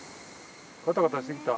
ガタガタしてきた？